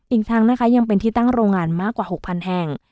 อีกทั้งนะคะยังเป็นที่ตั้งโรงงานมากกว่า๖๐๐แห่ง